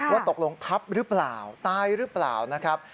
ว่าตกลงทับหรือเปล่าตายหรือเปล่านะครับ